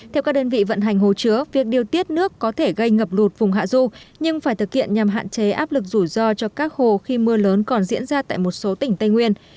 theo các đơn vị vận hành hồ chứa việc điều tiết nước có thể gây ngập lụt vùng hạ du nhưng phải thực hiện nhằm hạn chế áp lực rủi ro cho các hồ khi mưa lớn còn diễn ra tại một số tỉnh tây nguyên